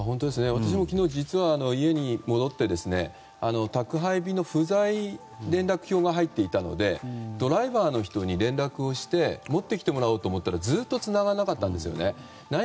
私も昨日、実は家に戻って宅配便の不在連絡票が入っていたのでドライバーの人に連絡をして持ってきてもらおうと思ったらずっとつながらなかったんですよね。